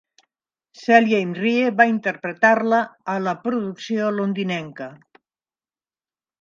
Celia Imrie va interpretar-la a la producció londinenca.